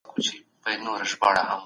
ښه ذهنیت باور نه ځنډوي.